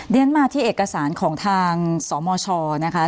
เรียนมาที่เอกสารของทางสมชนะคะ